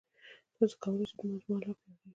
تاسو کولای شئ دا مجموعه لا پیاوړې کړئ.